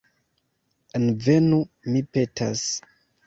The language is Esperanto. Envenu, mi petas.